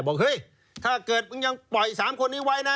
บอกเฮ้ยถ้าเกิดมึงยังปล่อย๓คนนี้ไว้นะ